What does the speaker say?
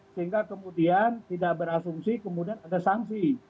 sehingga kemudian tidak berasumsi kemudian ada sanksi